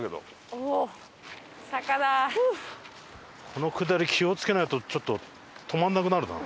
この下り気を付けないとちょっと止まらなくなるな。